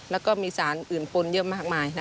แล้วก็มีสารอื่นปนเยอะมากมายนะ